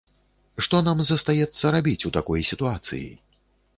Што нам застаецца рабіць у такой сітуацыі?